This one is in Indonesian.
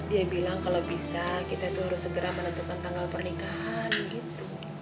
dia bilang kalau bisa kita itu harus segera menentukan tanggal pernikahan gitu